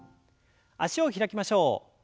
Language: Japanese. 脚を開きましょう。